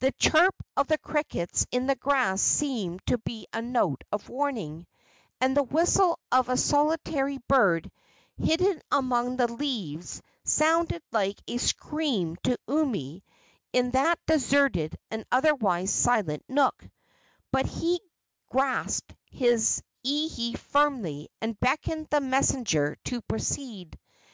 The chirp of the crickets in the grass seemed to be a note of warning, and the whistle of a solitary bird hidden among the leaves sounded like a scream to Umi in that deserted and otherwise silent nook; but he grasped his ihe firmly and beckoned the messenger to proceed.